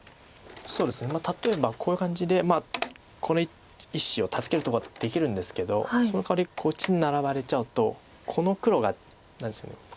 例えばこういう感じでこの１子を助けるとかできるんですけどそのかわりこっちにナラばれちゃうとこの黒が何ですか。